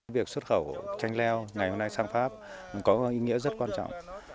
việc xuất khẩu chanh leo ngày hôm nay sang pháp có ý nghĩa rất quan trọng